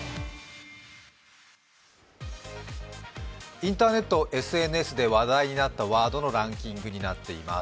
インターネット、ＳＮＳで話題になったワードのランキングになっています。